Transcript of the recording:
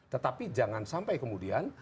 tetapi jangan sampai kemudian